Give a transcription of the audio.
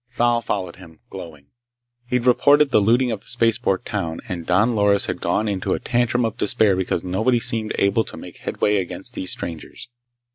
Thal followed him, glowing. He'd reported the looting of the spaceport town, and Don Loris had gone into a tantrum of despair because nobody seemed able to make headway against these strangers.